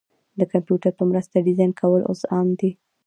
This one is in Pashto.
د کمپیوټر په مرسته ډیزاین کول اوس عام دي.